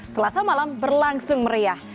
selasa malam berlangsung meriah